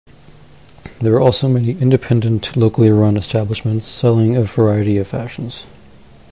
There are also many independent, locally run establishments, selling a variety of fashions.